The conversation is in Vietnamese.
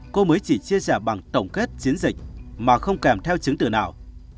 cô mới chỉ chia sẻ bằng tổng kết chiến dịch mà không kèm theo chứng tử nào